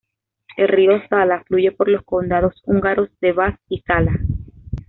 El río Zala fluye por los condados húngaros de Vas y Zala.